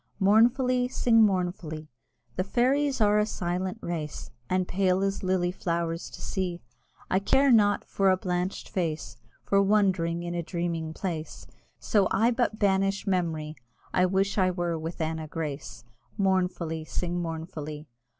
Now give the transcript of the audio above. (Mournfully, sing mournfully) The Fairies are a silent race, And pale as lily flowers to see; I care not for a blanched face, For wandering in a dreaming place, So I but banish memory: I wish I were with Anna Grace!" Mournfully, sing mournfully!